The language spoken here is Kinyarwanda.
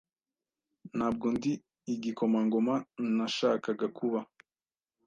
Ntabwo ndi igikomangoma nashakaga kuba